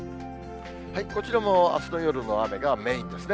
こちらもあすの夜の雨がメインですね。